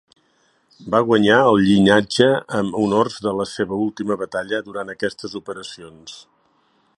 Va guanyar el llinatge amb honors de la seva última batalla durant aquestes operacions.